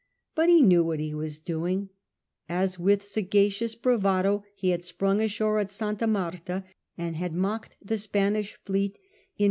But he knew what he was doing. As with sagacious bravado he had sprung ashore at Santa Marta, and had mocked the Spanish fleet in Cartagena harbour, 1 Hist.